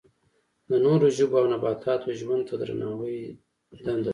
د نورو ژویو او نباتاتو ژوند ته درناوی دنده ده.